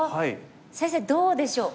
先生どうでしょう？